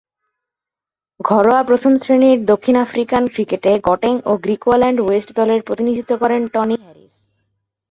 ঘরোয়া প্রথম-শ্রেণীর দক্ষিণ আফ্রিকান ক্রিকেটে গটেং ও গ্রিকুয়াল্যান্ড ওয়েস্ট দলের প্রতিনিধিত্ব করেন টনি হ্যারিস।